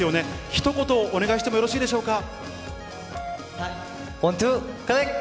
ひと言、お願いしてもよろしいでしょうか。